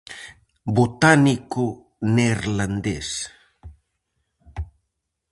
Botánico neerlandés.